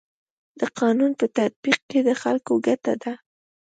د قانون په تطبیق کي د خلکو ګټه ده.